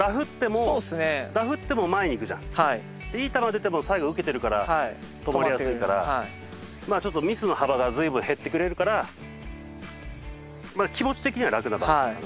いい球出ても最後受けてるから止まりやすいからちょっとミスの幅がずいぶん減ってくれるから気持ち的には楽な場面かな。